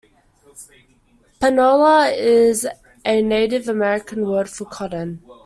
Panola is a Native American word for cotton.